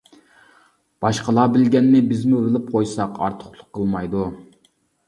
باشقىلار بىلگەننى بىزمۇ بىلىپ قويساق ئارتۇقلۇق قىلمايدۇ.